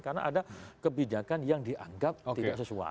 karena ada kebijakan yang dianggap tidak sesuai